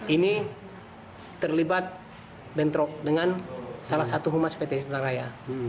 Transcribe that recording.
ini terlibat bentrok dengan salah satu humas pt sintaraya